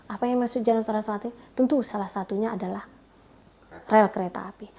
apa yang dimaksud jalur transportasi tentu salah satunya adalah rel kereta api